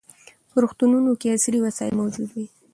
په روغتونونو کې عصري وسایل موجود وي.